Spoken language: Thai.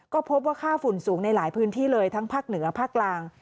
ก็พบว่าค่าฝุ่นสูงในหลายพื้นที่เลยทั้งภาคเหนือภาคกลาง